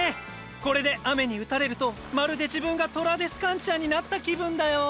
これで雨に打たれるとまるで自分がトラデスカンチアになった気分だよ。